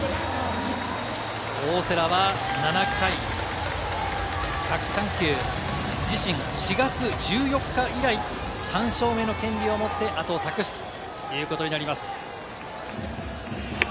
大瀬良は７回、１０３球、自身、４月１４日以来という３勝目の権利を持って、後を託すということになります。